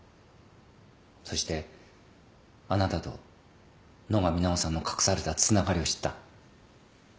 そしてあなたと野上奈緒さんの隠されたつながりを知った。